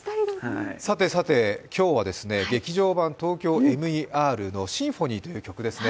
今日は「劇場版ＴＯＫＹＯＭＥＲ」の「Ｓｙｍｐｈｏｎｙ」という曲ですね。